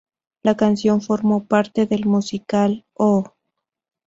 La canción formó parte del musical "Oh!